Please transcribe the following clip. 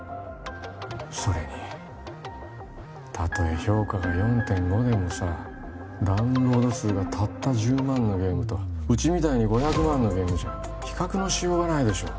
それにたとえ評価が４．５でもさダウンロード数がたった１０万のゲームとうちみたいに５００万のゲームじゃ比較のしようがないでしょ